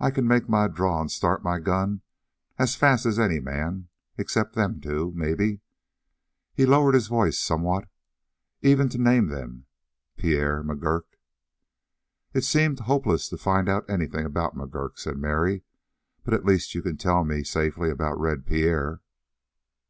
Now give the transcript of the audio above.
"I can make my draw and start my gun as fast as any man except them two, maybe" he lowered his voice somewhat even to name them "Pierre McGurk!" "It seems hopeless to find out anything about McGurk," said Mary, "but at least you can tell me safely about Red Pierre."